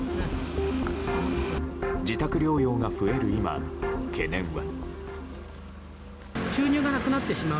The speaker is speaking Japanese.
自宅療養が増える今、懸念は。